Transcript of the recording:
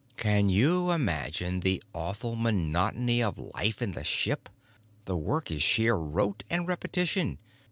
"Can you imagine the awful monotony of life in the ship? The work is sheer rote and repetition.